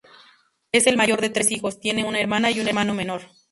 Es el mayor de tres hijos; tiene una hermana y un hermano menor.